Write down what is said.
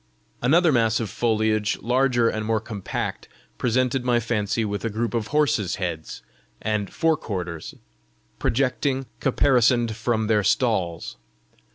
Another mass of foliage, larger and more compact, presented my fancy with a group of horses' heads and forequarters projecting caparisoned from their stalls.